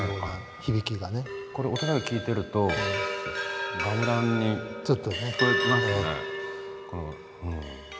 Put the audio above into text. これ音だけ聴いてるとガムランに聞こえますね。